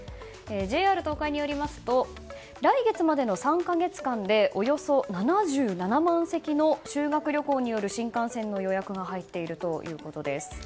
ＪＲ東海によりますと来月までの３か月間でおよそ７７万席の修学旅行による新幹線の予約が入っているということです。